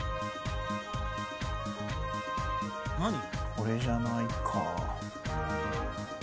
・これじゃないか。